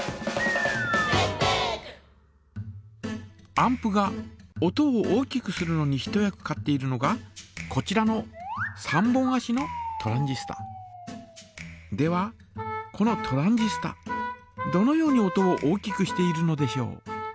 アンプが音を大きくするのに一役買っているのがこちらの３本あしのではこのトランジスタどのように音を大きくしているのでしょう。